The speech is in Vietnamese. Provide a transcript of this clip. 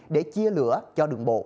để chia lửa cho đường bộ